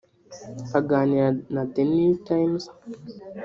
Aganira na The New Times